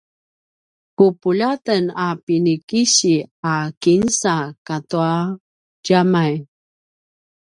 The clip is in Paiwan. ku puljaten a pinikisi a kinsa katua djamay